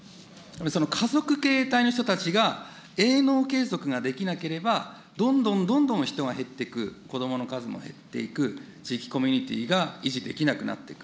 その家族形態の人たちが、営農継続ができなければ、どんどんどんどん人が減ってく、子どもの数も減っていく、地域コミュニティーが維持できなくなっていく。